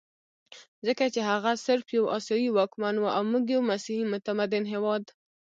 ځکه چې هغه صرف یو اسیایي واکمن وو او موږ یو مسیحي متمدن هېواد.